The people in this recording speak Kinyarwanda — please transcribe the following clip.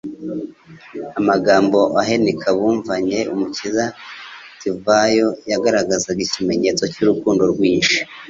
amagambo ahenika bumvanye Umukiza tvabo yagaragazaga ikimenyetso cy'urukundo rwinshi.